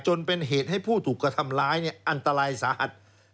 จนเป็นเหตุให้ผู้ถูกกระทำร้ายอันตรายสาหัส